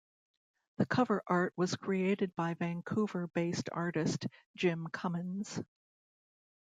The cover art was created by Vancouver based artist Jim Cummins.